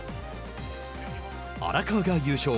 荒川が優勝。